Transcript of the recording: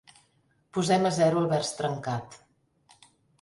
Posem a zero el vers trencat.